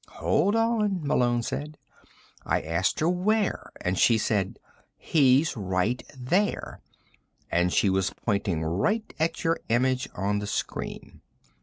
"Hold on," Malone said. "I asked her where and she said: 'He's right there.' And she was pointing right at your image on the screen."